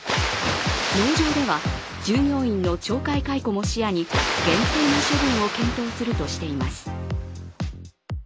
農場では従業員の懲戒解雇も視野に厳正な処分を検討するとしています。